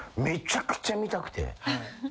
めちゃくちゃ見たくて。